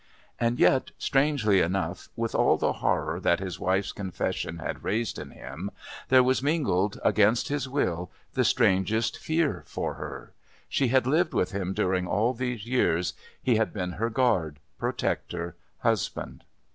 And yet, strangely enough, with all the horror that his wife's confession had raised in him there was mingled, against his will, the strangest fear for her. She had lived with him during all these years, he had been her guard, protector, husband.